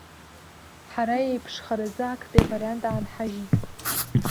Ҳара еиԥшхаразы актәи авариант аанҳажьит.